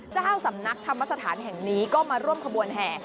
เจ้าสำนักธรรมสถานแห่งนี้ก็มาร่วมขบวนแห่